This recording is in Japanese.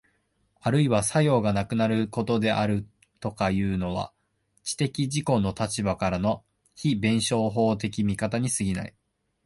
あるいは作用がなくなることであるとかいうのは、知的自己の立場からの非弁証法的見方に過ぎない。